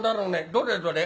「どれどれ？